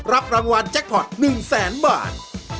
รับรางวัลแจ็คพอร์ต๑แสนบาท